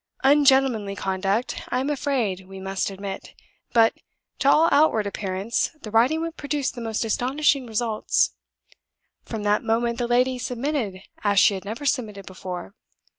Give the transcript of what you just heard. Ungentlemanly conduct, I am afraid we must admit; but, to all outward appearance, the riding whip produced the most astonishing results. From that moment the lady submitted as she had never submitted before.